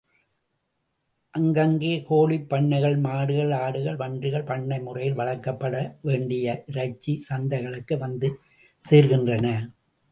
அங்கங்கே கோழிப் பண்ணைகள், மாடுகள், ஆடுகள், பன்றிகள் பண்ணை முறையில் வளர்க்கப்பட்டு வேண்டிய இறைச்சி சந்தைகளுக்கு வந்து சேர்கின்றன.